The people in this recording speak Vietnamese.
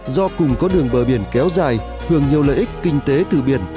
do cùng có đường bờ biển kéo dài hưởng nhiều lợi ích kinh tế từ biển